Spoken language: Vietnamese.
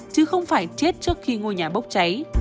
chứ không phải chết trước khi ngôi nhà bốc cháy